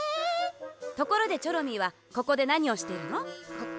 ところでチョロミーはここでなにをしているの？